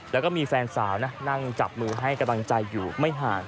แล้วก็มีแฟนสาวนะนั่งจับมือให้กำลังใจอยู่ไม่ห่าง